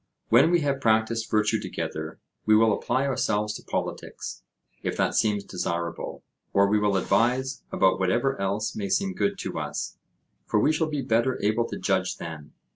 When we have practised virtue together, we will apply ourselves to politics, if that seems desirable, or we will advise about whatever else may seem good to us, for we shall be better able to judge then.